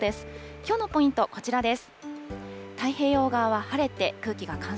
きょうのポイント、こちらです。